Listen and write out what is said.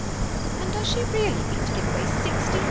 '^ And does she really mean to gire away £60,000 ?